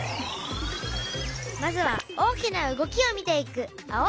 まずは大きな動きを見ていく青い動画。